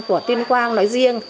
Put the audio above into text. của tuyên quang nói riêng